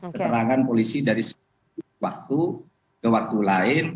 keterangan polisi dari waktu ke waktu lain